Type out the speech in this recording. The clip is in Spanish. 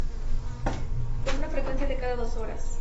Con una frecuencia de cada dos horas.